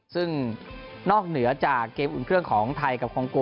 ซึ่งนอกเหนือจากเกมอุ่นเครื่องของไทยกับคองโก